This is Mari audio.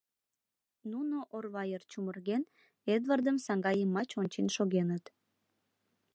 Нуно, орва йыр чумырген, Эдвардым саҥга йымач ончен шогеныт.